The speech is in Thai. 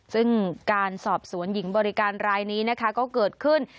ซึ่งการสอบสวนหญิงบริการรายนี้นะคะก็เกิดขึ้น